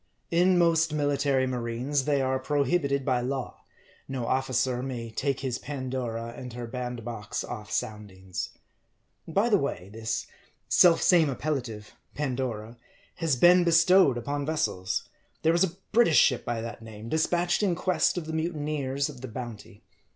In most military marines, they are prohibited by law ; no officer may take his Pandora and her bandbox ofF soundings. By the way, this self same appellative, Pandora, has been bestowed upon vessels. There was a British ship by that name, dispatched in quest of the mutineers of the Bounty.